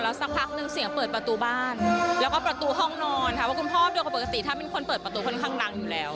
แล้วสักพักหนึ่งเสียงเปิดประตูบ้านแล้วก็ประตูห้องนอนค่ะว่าคุณพ่อดูกว่าปกติถ้ามีคนเปิดประตูคนข้างล่างอยู่แล้ว